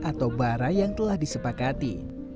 atau bara yang telah disepakati